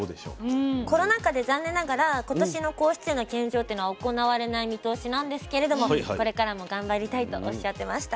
コロナ禍で残念ながら今年の皇室への献上っていうのは行われない見通しなんですけれどもこれからも頑張りたいとおっしゃってました。